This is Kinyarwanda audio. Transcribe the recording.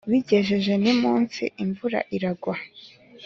bigejeje nimunsi imvura iragwa.